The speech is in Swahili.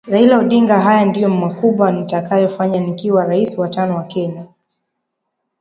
Raila Odinga Haya ndiyo makubwa nitakayofanya nikiwa raisi wa tano wa Kenya